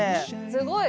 すごい！